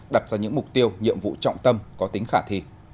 đặt ra những mục tiêu nhiệm vụ trọng tâm có tính khả thi